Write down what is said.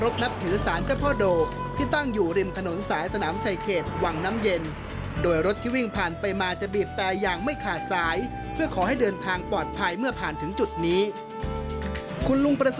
เป็นอย่างไรติดตามได้ค่ะ